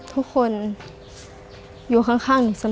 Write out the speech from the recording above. ทุกคนอยู่ข้างหนูเสมอ